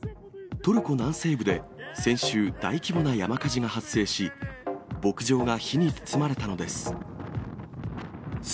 トルコ南西部で先週、大規模な山火事が発生し、牧場が火に包まれたのです。